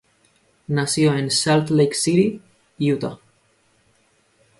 Nació en Salt Lake City, Utah.